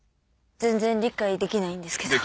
全然理解できないんですけど。